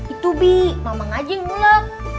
itu bi mamang aja yang ngulek